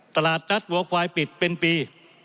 ตลาดนัดวัวควายปิดเป็นปี